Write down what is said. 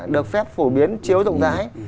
được phép phổ biến chiếu rộng rãi